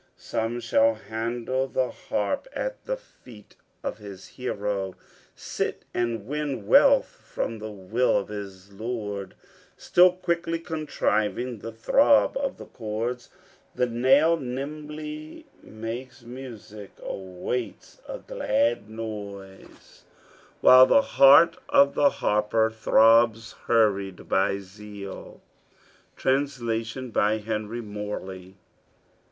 One shall handle the harp, at the feet of his hero Sit and win wealth from the will of his Lord; Still quickly contriving the throb of the cords, The nail nimbly makes music, awakes a glad noise, While the heart of the harper throbs, hurried by zeal. Translation of Henry Morley.